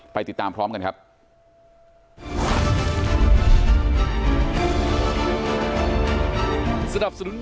ไปติดตามพร้อมกันครับ